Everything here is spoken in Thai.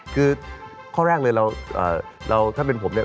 คือข้อแรกเลยเราถ้าเป็นผมเนี่ย